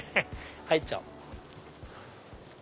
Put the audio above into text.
入っちゃおう。